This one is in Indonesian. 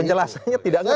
penjelasannya tidak ngerti